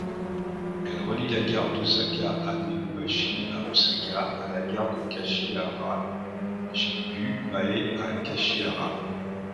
Elle relie la gare d'Osaka-Abenobashi à Osaka à la gare de Kashiharajingu-mae à Kashihara.